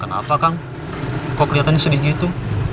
kenaapakang co keliatanya sedih gitu